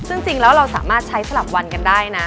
ซึ่งจริงแล้วเราสามารถใช้สลับวันกันได้นะ